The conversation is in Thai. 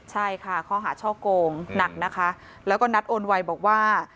ใช่ค่ะข้อหาช่อโกงหนักนะคะแล้วก็นัดโอนไวบอกว่า